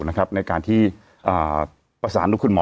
ในการที่ประสานดูคุณหมอ